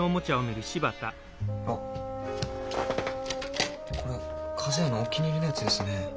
あこれ和也のお気に入りのやつですね。